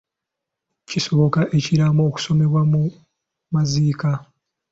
Kisoboka ekiraamo okusomebwa mu maziika.